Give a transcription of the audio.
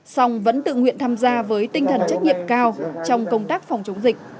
song vẫn tự nguyện tham gia với tinh thần trách nhiệm cao trong công tác phòng chống dịch